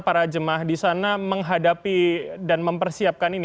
para jemaah di sana menghadapi dan mempersiapkan ini